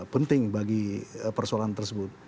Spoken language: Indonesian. penting bagi persoalan tersebut